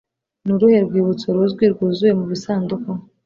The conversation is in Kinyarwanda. Ni uruhe rwibutso ruzwi rwuzuye mu bisanduku ?